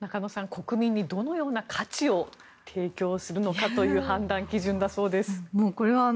国民にどのような価値を提供するのかという判断基準だそうです。